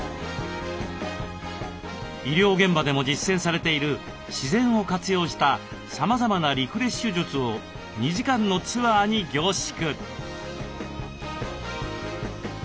医療現場でも実践されている自然を活用したさまざまなリフレッシュ術を２時間のツアーに凝縮。